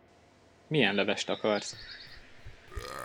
Milyen levest akarsz?